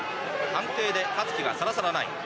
判定で勝つ気はさらさらない。